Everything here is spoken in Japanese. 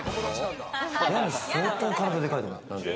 家主相当体でかいと思う。